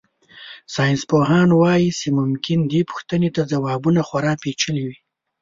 ساینسپوهان وایي چې ممکن دې پوښتنې ته ځوابونه خورا پېچلي وي.